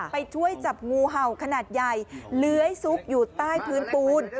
ไปช่วยจับงูเห่าขนาดใหญ่เลื้อยซุกอยู่ใต้พื้นปูน